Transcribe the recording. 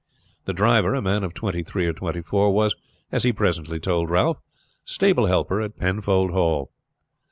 The driver, a man of twenty three or twenty four, was, as he presently told Ralph, stable helper at Penfold Hall.